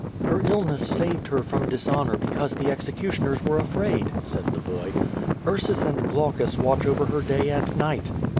"Her illness saved her from dishonor, because the execu tioners were afraid," said the boy. "Ursus and Glaucus watch over her day and night."